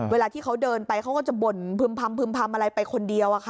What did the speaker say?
เวลาที่เขาเดินไปเขาก็จะบ่นพึ่มพำอะไรไปคนเดียว